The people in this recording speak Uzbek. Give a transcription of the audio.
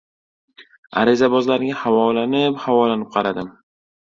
Arizabozlarga havolanib-havolanib qaradim.